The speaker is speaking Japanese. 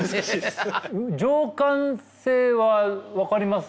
「情感性」は分かります？